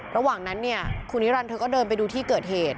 ระหว่างนั้นเนี่ยคุณนิรันดิเธอก็เดินไปดูที่เกิดเหตุ